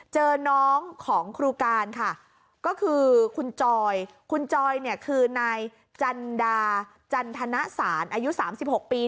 เจอน้องของครูการคือคุณจอยคุณจอยคือในจันทนาศาสตร์อายุ๓๖ปี